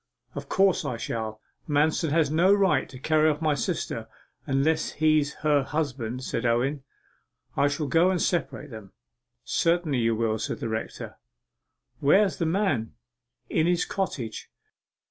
'Of course I shall! Manston has no right to carry off my sister unless he's her husband,' said Owen. 'I shall go and separate them.' 'Certainly you will,' said the rector. 'Where's the man?' 'In his cottage.